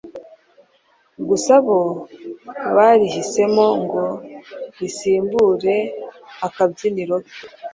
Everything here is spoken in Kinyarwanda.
gusa bo barihisemo ngo risimbure akabyiniriro ke ‘.